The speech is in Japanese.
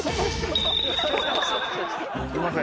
すいません。